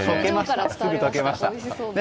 すぐ溶けました。